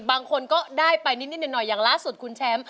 บางคนก็ได้ไปนิดหน่อยอย่างล่าสุดคุณแชมป์